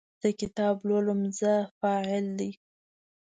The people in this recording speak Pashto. زه کتاب لولم – "زه" فاعل دی.